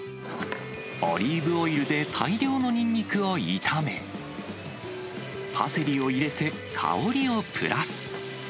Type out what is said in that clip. オリーブオイルで大量のニンニクを炒め、パセリを入れて、香りをプラス。